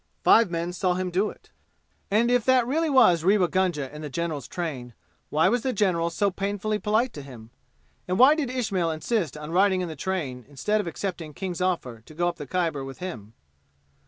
Five men saw him do it. And if that was really Rewa Gunga in the general's train, why was the general so painfully polite to him? And why did Ismail insist on riding in the train, instead of accepting King's offer to go up the Khyber with him?